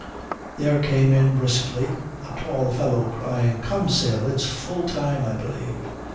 There came in briskly a tall fellow crying: "Come, Sale, it's full time, I believe."